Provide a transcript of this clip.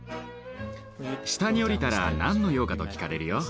下に下りたら「何の用か？」と聞かれるよ。